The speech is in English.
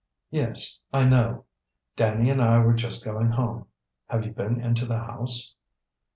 "Yes, I know; Danny and I were just going home. Have you been into the house?"